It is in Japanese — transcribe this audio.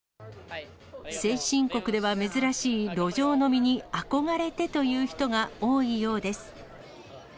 先進国では珍しい路上飲みに憧れてという人が多いようです。